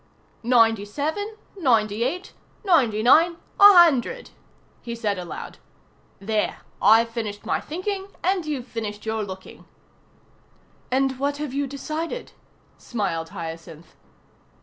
"Ninety seven, ninety eight, ninety nine, a hundred," he said aloud. "There, I've finished my thinking and you've finished your looking." "And what have you decided?" smiled Hyacinth.